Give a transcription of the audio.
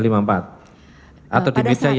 pada saat itu